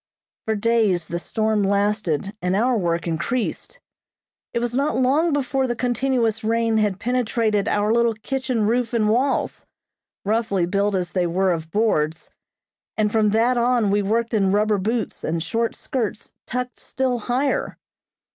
For days the storm lasted and our work increased. It was not long before the continuous rain had penetrated our little kitchen roof and walls, roughly built as they were of boards, and from that on we worked in rubber boots and short skirts tucked still higher.